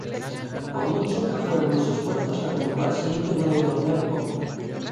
Por muchos que fueron los esfuerzos la temporada siguiente no hubo torneo de copa.